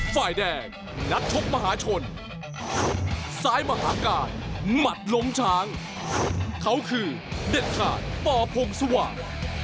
ฝ่ายแดงนักชกมหาชนซ้ายมหาการหมัดล้มช้างเขาคือเด็ดขาดปพงสว่าง